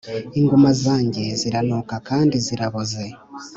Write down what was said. Inguma zanjye ziranuka kandi ziraboze